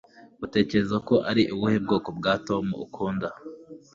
Utekereza ko ari ubuhe bwoko bwa Tom ukunda